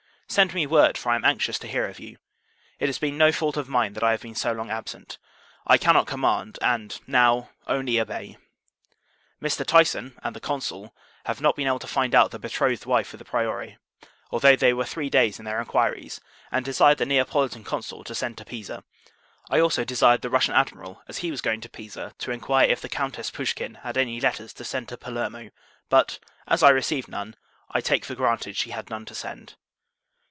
Send me word, for I am anxious to hear of you. It has been no fault of mine, that I have been so long absent. I cannot command; and, now, only obey. Mr. Tyson, and the Consul, have not been able to find out the betrothed wife of the Priore; although they were three days in their inquiries, and desired the Neapolitan Consul to send to Pisa. I also desired the Russian Admiral, as he was going to Pisa, to inquire if the Countess Pouschkin had any letters to send to Palermo; but, as I received none, I take for granted she had none to send.